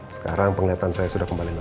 sekarang penglihatan saya sudah kembali normal